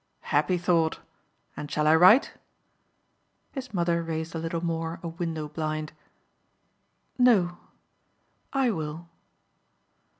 "Happy thought! And shall I write?" His mother raised a little more a window blind. "No I will."